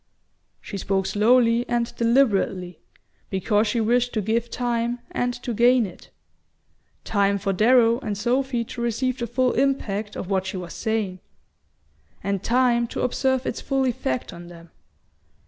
She spoke slowly and deliberately, because she wished to give time and to gain it; time for Darrow and Sophy to receive the full impact of what she was saying, and time to observe its full effect on them.